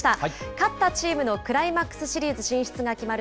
勝ったチームのクライマックスシリーズ進出が決まる